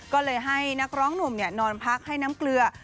ก็เลยให้นักร้องหนุ่มนอนพักให้น้ำเกลือ